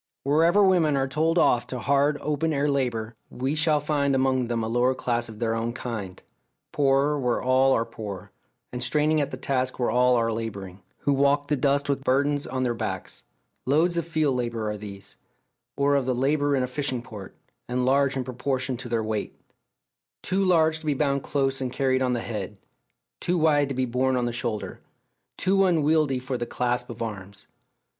Wherever women are told off to hard open air labour, we shall find among them a lower class of their own kind poorer where all are poor, and straining at their task where all are labouring who walk the dust with burdens on their backs. Loads of field labour are these, or of the labour in a fishing port, and large in proportion to their weight; too large to be bound close and carried on the head, too wide to be borne on the shoulder, too unwieldy for the clasp of arms.